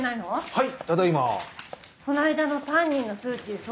はい！